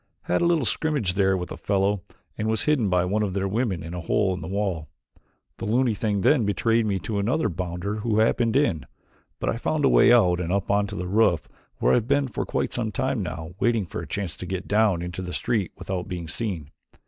Had a little scrimmage there with a fellow and was hidden by one of their women in a hole in the wall. The loony thing then betrayed me to another bounder who happened in, but I found a way out and up onto the roof where I have been for quite some time now waiting for a chance to get down into the street without being seen.